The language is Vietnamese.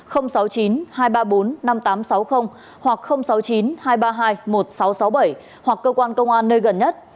hoặc sáu mươi chín hai trăm ba mươi hai một nghìn sáu trăm sáu mươi bảy hoặc cơ quan công an nơi gần nhất